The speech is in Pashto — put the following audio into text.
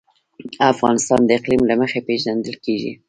افغانستان د اقلیم له مخې پېژندل کېږي.